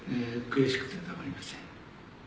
悔しくてたまりません。